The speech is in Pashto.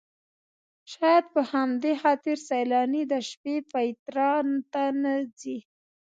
شاید په همدې خاطر سیلاني د شپې پیترا ته نه ځي.